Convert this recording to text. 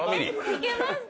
引けますか？